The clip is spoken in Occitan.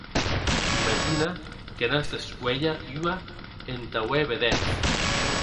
Imagina que n'as d'escuélher ua entà auer vedèths.